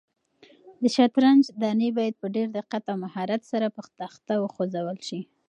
د شطرنج دانې باید په ډېر دقت او مهارت سره په تخته وخوځول شي.